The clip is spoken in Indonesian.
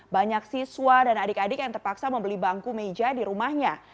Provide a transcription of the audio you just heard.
banyak siswa dan adik adik yang terpaksa membeli bangku meja di rumahnya